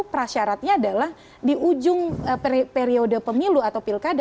prasyaratnya adalah di ujung periode pemilu atau pilkada